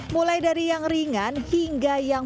mulai dari yang ringan hingga yang